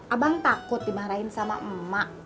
abang takut dimarahin sama emak